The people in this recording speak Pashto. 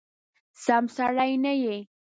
سم سړی نه یې !